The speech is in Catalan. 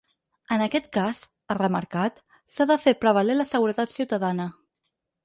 En aquest cas –ha remarcat– s’ha de fer prevaler la seguretat ciutadana.